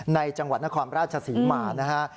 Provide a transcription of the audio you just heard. ในจังหวัดนครราชสีหมานะฮะ